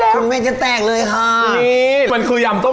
เข้าไปแล้วว่าแต่แล้วคุณแม่มันคือยำส้มโอหรอ